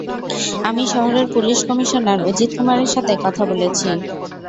আমি শহরের police commissioner Ajit কুমারের সাথে কথা বলেছি।